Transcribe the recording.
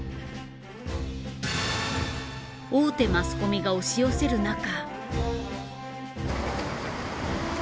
大手マスコミが押し寄せるなか。